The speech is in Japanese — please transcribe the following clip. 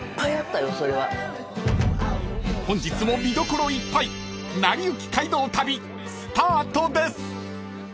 ［本日も見どころいっぱい『なりゆき街道旅』スタートです］